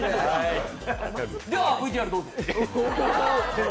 ではＶＴＲどうぞ。